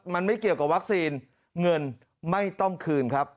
มันไม่เกี่ยวกับวัคซีนเงินไม่ต้องคืนครับ